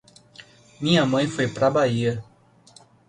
Minha mãe foi pra Bahia.